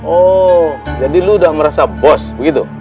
oh jadi lu udah merasa bos begitu